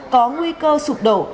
có nguy cơ sụp đổ